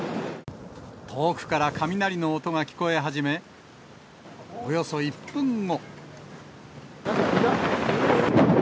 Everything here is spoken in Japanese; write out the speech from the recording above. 遠くから雷の音が聞こえ始め、およそ１分後。